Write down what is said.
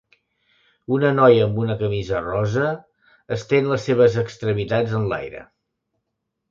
Una noia amb una camisa rosa estén les seves extremitats en l'aire.